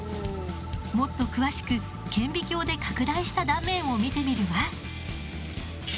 もっと詳しく顕微鏡で拡大した断面を見てみるわ。